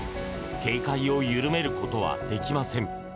警戒を緩めることはできません。